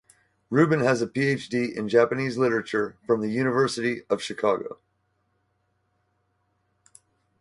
Rubin has a Ph.D. in Japanese literature from the University of Chicago.